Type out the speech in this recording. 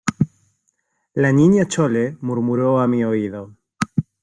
la Niña Chole murmuró a mi oído: